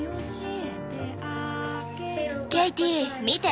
ケイティ見て！